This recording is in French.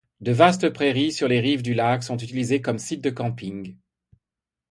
De vastes prairies sur les rives du lac sont utilisées comme sites de camping.